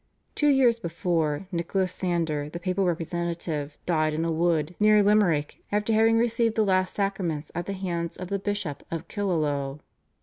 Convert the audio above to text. Two years before, Nicholas Sander, the papal representative, died in a wood near Limerick after having received the last sacraments at the hands of the Bishop of Killaloe.